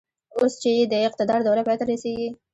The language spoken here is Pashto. اوس چې يې د اقتدار دوره پای ته رسېږي.